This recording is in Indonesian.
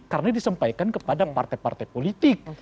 karena disampaikan kepada partai partai politik